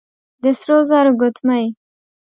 د سرو زرو ګوتمۍ،